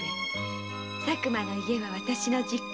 佐久間は私の実家。